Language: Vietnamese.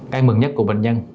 cái mừng nhất của bệnh nhân